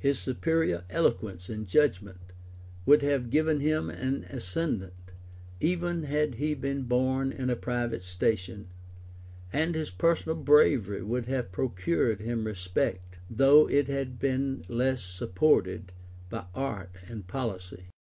His superior eloquence and judgment would have given him an ascendant, even had he been born in a private station; and his personal bravery would have procured him respect, though it had been less supported by art and policy.